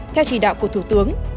theo chỉ đạo của thủ tướng